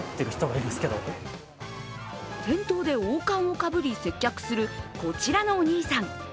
店頭で王冠をかぶり、接客するこちらのお兄さん。